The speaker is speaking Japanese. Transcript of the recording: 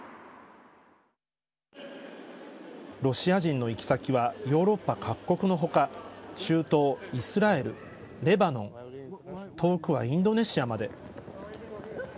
ロシア人の行き先はヨーロッパ各国の他中東、イスラエルレバノン遠くはインドネシアまで。